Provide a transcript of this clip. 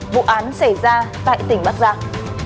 vụ án xảy ra tại tỉnh bắc giang